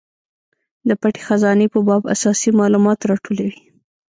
د پټې خزانې په باب اساسي مالومات راټولوي.